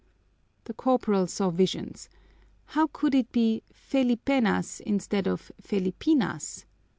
The corporal saw visions. How could it be Felipenas instead of _Felipinas?